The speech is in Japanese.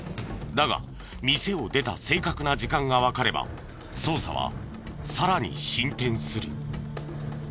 だが店を出た正確な時間がわかれば捜査はさらに進展する。